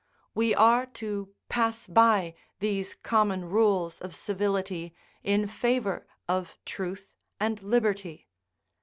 We are to pass by these common rules of civility, in favour of truth and liberty.